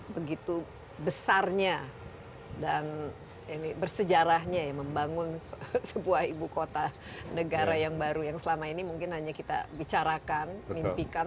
begitu besarnya dan bersejarahnya ya membangun sebuah ibu kota negara yang baru yang selama ini mungkin hanya kita bicarakan mimpikan